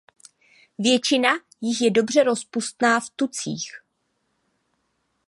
Většina jich je dobře rozpustná v tucích.